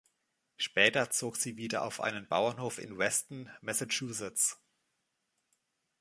Später zog sie wieder auf einen Bauernhof in Weston, Massachusetts.